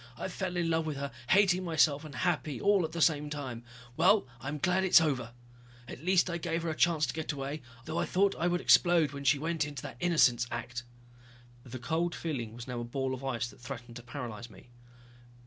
I fell in love with her, hating myself and happy at the same time. Well I'm glad now it's over. At least I gave her a chance to get away, I owe her that much. Though I thought I would explode when she went into that innocence act!" The cold feeling was now a ball of ice that threatened to paralyze me.